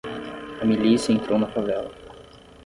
A milícia entrou na favela.